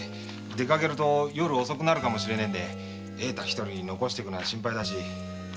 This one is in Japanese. でかけると夜遅くなるかもしれねえんで栄太独り残していくのは心配だし。